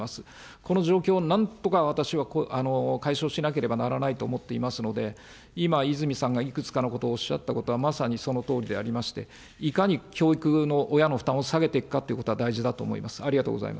この状況をなんとか私は解消しなければならないと思っていますので、今、泉さんがいくつかのことをおっしゃったことは、まさにそのとおりでありまして、いかに教育の、親の負担を下げていくかっていうことは大事だと思います。